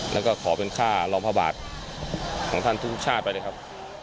แล้วก็ขอเป็นค่ารองพระบาทของท่านทุกชาติไปเลยครับ